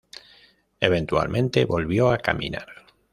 Eventualmente volvió a caminar.